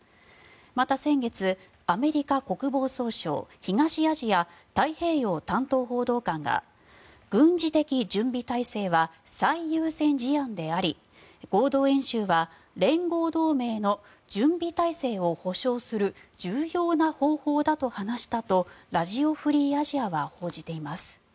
また先月、アメリカ国防総省東アジア太平洋担当報道官が軍事的準備態勢は最優先事案であり合同演習は連合同盟の準備態勢を保障する重要な方法だと話したとラジオ・フリー・アジアは報じています。